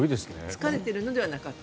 疲れているのではなかった。